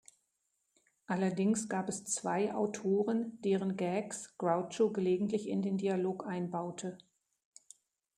Allerdings gab es zwei Autoren, deren Gags Groucho gelegentlich in den Dialog einbaute.